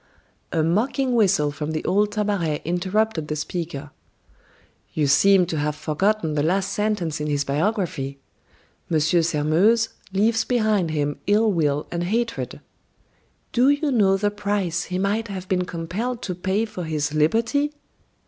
A mocking whistle from the old Tabaret interrupted the speaker. "You seem to have forgotten the last sentence in his biography: 'M. Sairmeuse leaves behind him ill will and hatred.' Do you know the price he might have been compelled to pay for his liberty!